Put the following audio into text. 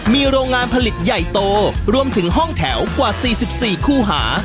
มีโรงงานผลิตใหญ่โตรวมถึงห้องแถวกว่า๔๔คู่หา